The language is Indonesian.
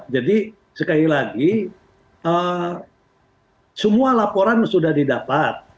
jadi sekali lagi semua laporan sudah didapat